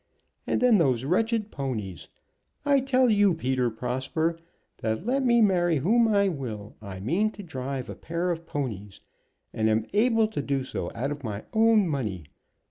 And then those wretched ponies. I tell you, Peter Prosper, that let me marry whom I will, I mean to drive a pair of ponies, and am able to do so out of my own money.